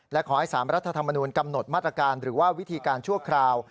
และขอให้๓รัฐธรรมนูลกำหนดมาตรการหรือว่าวิธีการชั่วคราว